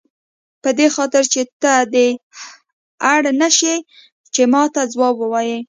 په دې خاطر چې ته دې ته اړ نه شې چې ماته ځواب ووایې.